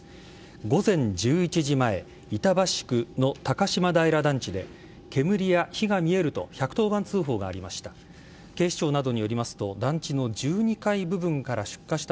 午前１１時前板橋区の高島平団地で煙や火が見えると１１０番通報がありました。